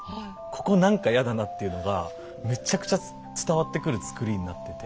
ここ何かやだなっていうのがむちゃくちゃ伝わってくる作りになってて。